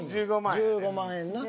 １５万円な。